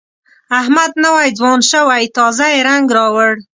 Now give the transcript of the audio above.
احمد نوی ځوان شوی، تازه یې رنګ راوړ.